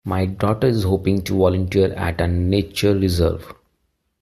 My daughter is hoping to volunteer at a nature reserve.